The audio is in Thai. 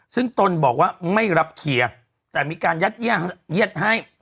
ซึ่งตนบอกว่าไม่รับเคลียร์แต่มีการยัดเยียดให้